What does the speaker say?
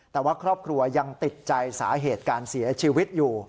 แต่ว่าครอบครัวยังติดใจสาเหตุการเสียชีวิตอยู่